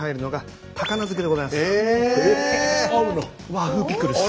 和風ピクルス。